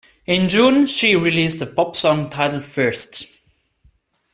In June she released a pop song titled "First".